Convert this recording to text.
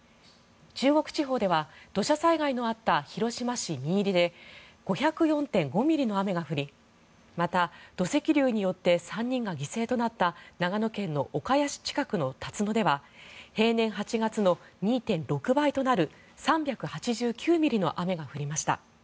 中国地方では土砂災害のあった広島市三入で５０４．５ミリの雨が降りまた土石流によって３人が犠牲となった長野県の岡谷市近くの辰野では平年８月の２．６倍となる３８９ミリの雨が降りました。